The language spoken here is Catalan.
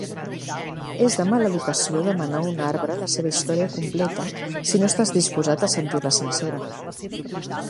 És de mala educació demanar a un arbre la seva història completa si no estàs disposat a sentir-la sencera.